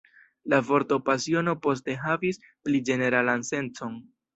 La vorto pasiono poste havis pli ĝeneralan sencon.